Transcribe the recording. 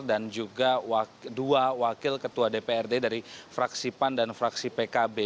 dan juga dua wakil ketua dprd dari fraksi pan dan fraksi pkb